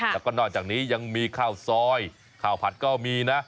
แล้วก็นอกจากนี้ยังมีข้าวซอยข้าวผัดก็มีนะ